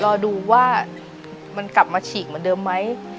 รอดูว่ามันกลับมาฉีกเหมือนเดิมไหม